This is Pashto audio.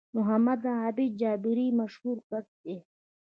محمد عابد جابري مشهور کس دی